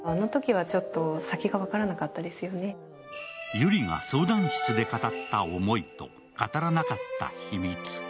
ゆりが相談室で語った思いと語らなかった秘密。